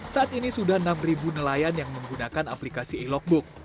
saat ini sudah enam nelayan yang menggunakan aplikasi e logbook